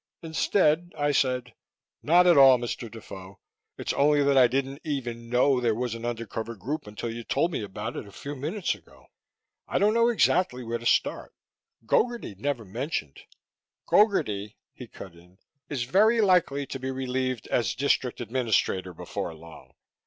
Instead I said, "Not at all, Mr. Defoe. It's only that I didn't even know there was an undercover group until you told me about it a few moments ago; I don't know exactly where to start. Gogarty never mentioned " "Gogarty," he cut in, "is very likely to be relieved as District Administrator before long.